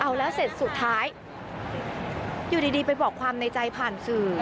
เอาแล้วเสร็จสุดท้ายอยู่ดีไปบอกความในใจผ่านสื่อ